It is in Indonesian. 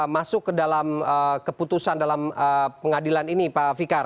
masuk ke dalam keputusan dalam pengadilan ini pak fikar